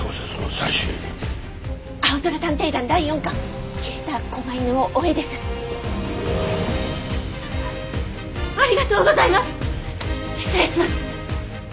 失礼します！